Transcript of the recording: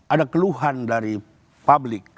ada keluhan dari publik